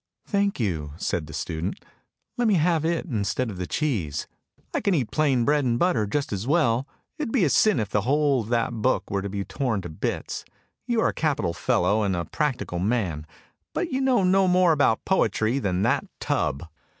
" Thank you," said the student; " let me have it instead of the cheese! I can eat plain bread and butter just as well; it would be a sin if the whole of that book were to be torn to bits. You are a capital fellow and a practical man, but you know no more about poetry than that tub!